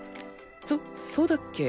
そそうだっけ？